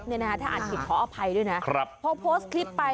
มือบับเหลือมือบับเหลือ